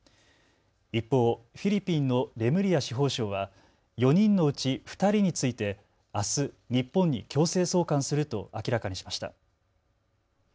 一方、フィリピンのレムリア司法相は４人のうち２人についてあす日本に強制送還すると明らかにしました。